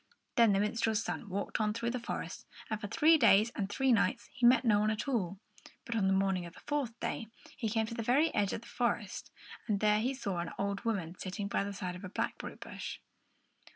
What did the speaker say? Then the minstrel's son walked on through the forest; and for three days and three nights he met no one at all, but on the morning of the fourth day he came to the very edge of the forest, and there he saw an old woman sitting by the side of a blackberry bush.